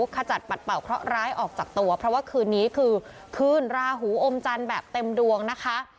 ขจัดปัดเป่าเคราะหร้ายออกจากตัวเพราะว่าคืนนี้คือคืนราหูอมจันทร์แบบเต็มดวงนะคะ